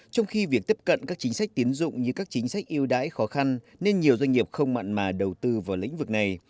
trong khi việc tiếp cận các chính sách tiến dụng như các chính sách yêu đãi khó khăn nên nhiều doanh nghiệp không mặn mà đầu tư vào lĩnh vực này